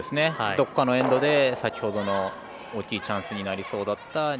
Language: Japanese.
どこかのエンドで先ほどの大きなチャンスになりそうだった